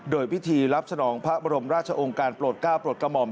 โดยพิธีรับสนองพระบรมราชองค์การโปรดก้าวโปรดกระหม่อม